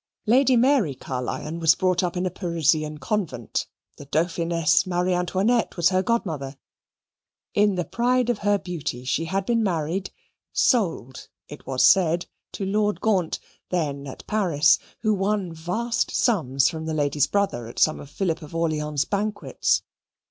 Lady Mary Caerlyon was brought up at a Parisian convent; the Dauphiness Marie Antoinette was her godmother. In the pride of her beauty she had been married sold, it was said to Lord Gaunt, then at Paris, who won vast sums from the lady's brother at some of Philip of Orleans's banquets.